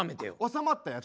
収まったやつ？